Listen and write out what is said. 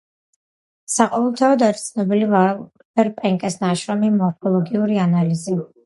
საყოველთაოდ არის ცნობილი ვალტერ პენკის ნაშრომი „მორფოლოგიური ანალიზი“.